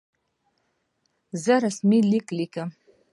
زه رسمي لیک لیکم.